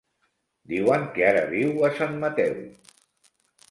Diuen que ara viu a Sant Mateu.